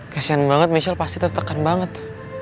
kasian banget michelle pasti tertekan banget